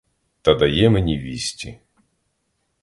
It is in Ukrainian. Та дає мені вісті.